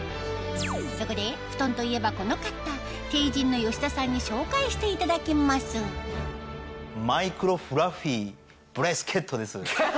そこで布団といえばこの方ＴＥＩＪＩＮの吉田さんに紹介していただきますマイクロフラッフィーブレスケットです！